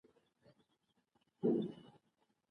د پښتو ژبې فونوتیکي سیسټم د نړۍ د خورا بډایه سیسټمونو څخه دی.